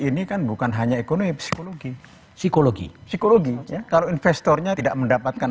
ini kan bukan hanya ekonomi psikologi psikologi psikologi ya kalau investornya tidak mendapatkan